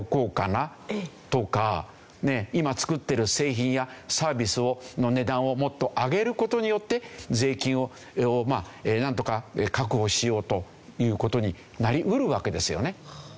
今作ってる製品やサービスの値段をもっと上げる事によって税金をなんとか確保しようという事になり得るわけですよね。